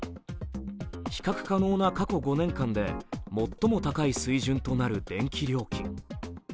比較可能な過去５年間で最も高い水準となる電気料金。